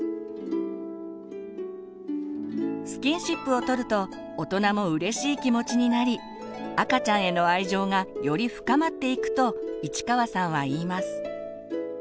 スキンシップを取ると大人もうれしい気持ちになり赤ちゃんへの愛情がより深まっていくと市川さんは言います。